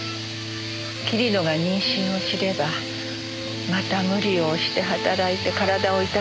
桐野が妊娠を知ればまた無理を押して働いて体を痛めるかもしれない。